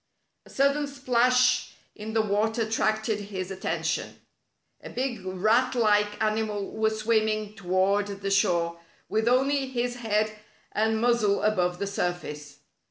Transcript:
A sudden splash in the water attracted his at tention. A big rat like animal was swimming toward the shore, with only his head and muzzle above the surface.